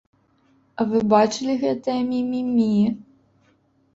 А вы бачылі гэтае мімімі?